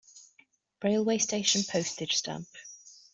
Railway station Postage stamp.